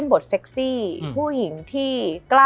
มันทำให้ชีวิตผู้มันไปไม่รอด